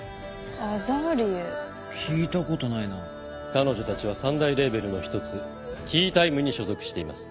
彼女たちは三大レーベルの一つＫＥＹＴＩＭＥに所属しています。